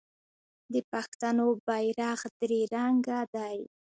د پښتنو بیرغ درې رنګه دی.